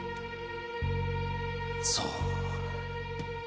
そう。